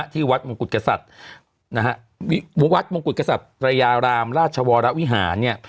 ที่วัดมงกุฎกษัตริยารามราชวรวิหาร